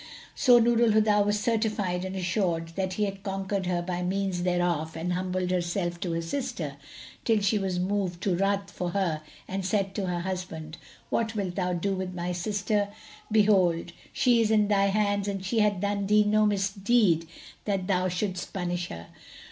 So Nur al Huda was certified and assured that he had conquered her by means thereof and humbled herself to her sister, till she was moved to ruth for her and said to her husband, "What wilt thou do with my sister? Behold, she is in thy hands and she hath done thee no misdeed that thou shouldest punish her."